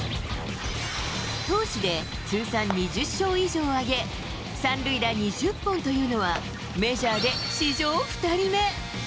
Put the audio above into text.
投手で通算２０勝以上を挙げ、３塁打２０本というのは、メジャーで史上２人目。